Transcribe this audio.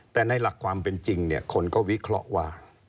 แต่ในหลักความเป็นจริงคนก็วิเคราะห์ว่า